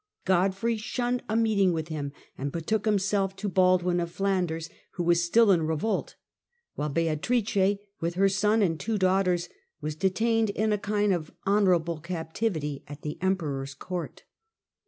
Godfrey shunned a meeting with him, and betook himself to Baldwin of Flanders, who was still in revolt, while Beatrice, with her son and two daughters, were detained in a kind of honourable captivity at the emperor's court.